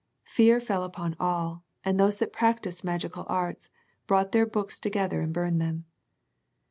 Fear fell upon all, and those that practiced magical arts, brought their books together and burned them.